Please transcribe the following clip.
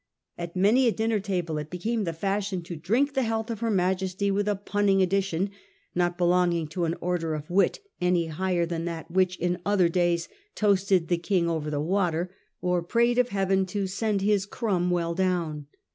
At many a dinner table it became the fashion to drink the health of her Majesty with a punning addi tion, not belonging to an order of wit any higher than that which in other days toasted the King ' over the water ;' or prayed of heaven to ' send this crumb well down.